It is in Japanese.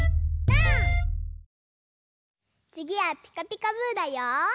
つぎは「ピカピカブ！」だよ。